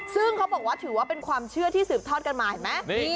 ซึ่งเขาบอกว่าถือว่าเป็นความเชื่อที่สืบทอดกันมาเห็นไหม